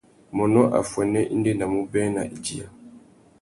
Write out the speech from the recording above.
Mônô affuênê i ndéndamú being nà idiya.